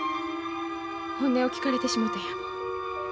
本音を聞かれてしもたんやもん。